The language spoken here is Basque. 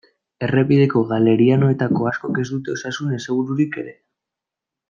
Errepideko galerianoetako askok ez dute osasun asegururik ere.